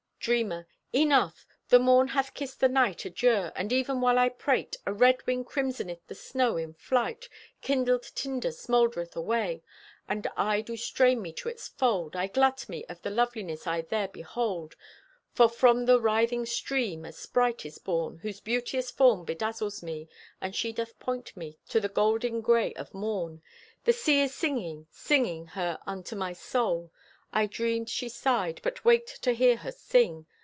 Dreamer: Enough! The morn hath kissed the night adieu, And even while I prate A redwing crimsoneth the snow in flight. Kindled tinder smoldereth away, And I do strain me to its fold. I glut me of the loveliness I there behold, For from the writhing stream a sprite is born Whose beauteous form bedazzles me, And she doth point me To the golding gray of morn. The sea Is singing, singing her unto my soul. I dreamed she sighed, but waked to hear her sing.